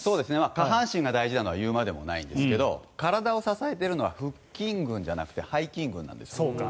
下半身が大事なのは言うまでもないんですが体を支えているのは腹筋群じゃなくて背筋群なんです。